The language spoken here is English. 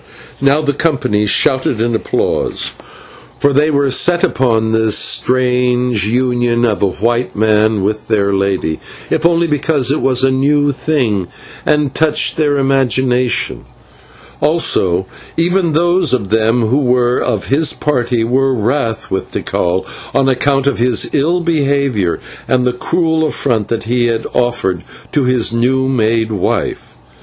Now the company shouted in applause, for they were set upon this strange union of a white man with their lady, if only because it was a new thing and touched their imagination; and even those of them who were of his party were wrath with Tikal on account of his ill behaviour and the cruel affront that he had offered to his new made wife.